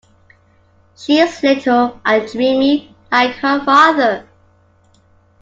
She is little and dreamy, like her father.